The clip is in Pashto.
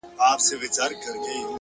هره تجربه د ژوند درس دی،